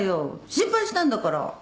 心配したんだから。